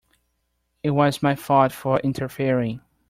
It was my fault for interfering.